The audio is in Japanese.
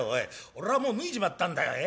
俺はもう脱いじまったんだよええ？